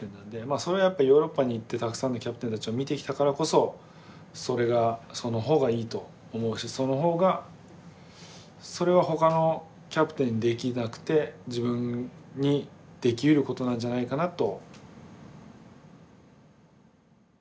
それはやっぱヨーロッパに行ってたくさんのキャプテンたちを見てきたからこそその方がいいと思うしその方がそれはほかのキャプテンにできなくて自分にできることなんじゃないかなと。